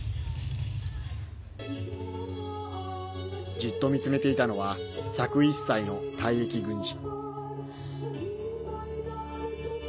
じっと見つめていたのは１０１歳の退役軍人。